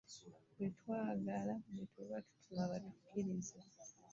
Be twagala be tuba tutuma batukiikirire.